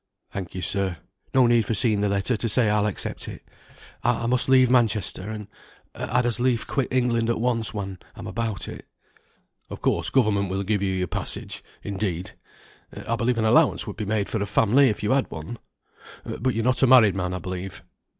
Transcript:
"Thank you, sir. No need for seeing the letter to say I'll accept it. I must leave Manchester; and I'd as lief quit England at once when I'm about it." "Of course government will give you your passage; indeed, I believe an allowance would be made for a family if you had one; but you are not a married man, I believe?"